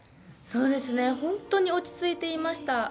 そうですね、本当に落ち着いていました。